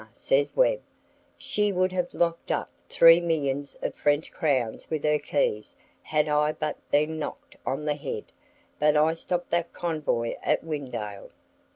says Webb, "she would have locked up three millions of French crowns with her keys had I but been knocked on the head, but I stopped that convoy at Wynendael."